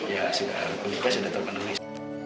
ya sudah penghulu sudah terpenulis